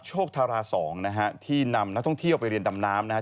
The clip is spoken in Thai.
โชคธาราสองนะฮะที่นำนักท่องเที่ยวไปเรียนดำน้ำนะฮะ